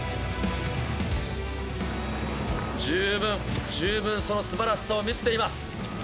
十分、十分そのすばらしさを見せています。